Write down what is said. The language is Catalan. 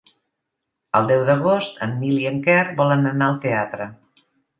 El deu d'agost en Nil i en Quer volen anar al teatre.